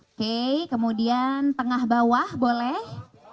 oke kemudian tengah bawah boleh